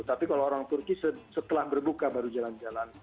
tapi kalau orang turki setelah berbuka baru jalan jalan